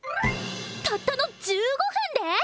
たったの１５分で！？